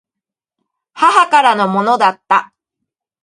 母親からのものだった